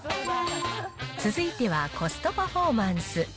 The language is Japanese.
続いてはコストパフォーマンス。